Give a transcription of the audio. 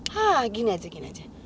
hah gini aja gini aja